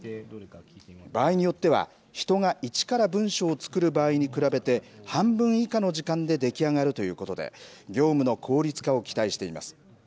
場合によっては人が一から文章を作る場合に比べて半分以下の時間で出来上がるということで業務の効率化を期待しています。